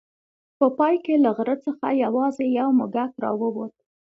په پای کې له غره څخه یوازې یو موږک راووت.